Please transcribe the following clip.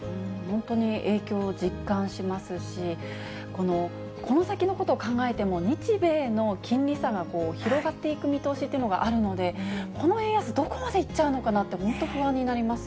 本当に影響を実感しますし、この先のことを考えても、日米の金利差が広がっていく見通しというのがあるので、この円安、どこまでいっちゃうのかなって、本当、不安になります。